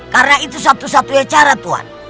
karena itu satu satunya cara tuhan